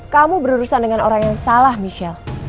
kamu berurusan dengan orang yang salah michelle